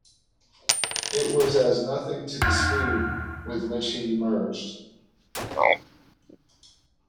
It was as nothing to the speed with which he emerged.